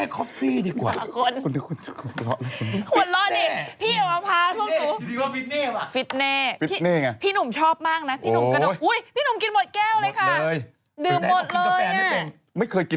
ก็เพียงทราบหัวอื่นอื่นไม่เป็น